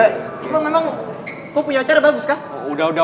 cuma memang kok punya acara bagus kak